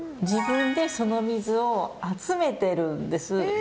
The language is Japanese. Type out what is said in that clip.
自分でその水を集めてるんです。